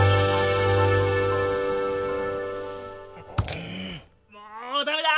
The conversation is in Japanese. うんもうダメだ！